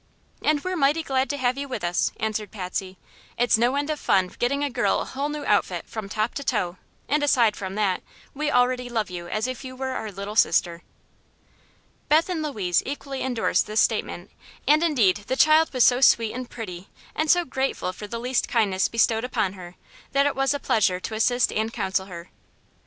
"And we're mighty glad to have you with us," answered Patsy. "It's no end of fun getting a girl a whole new outfit, from top to toe; and, aside from that, we already love you as if you were our little sister." Beth and Louise equally endorsed this statement; and indeed the child was so sweet and pretty and so grateful for the least kindness bestowed upon her that it was a pleasure to assist and counsel her.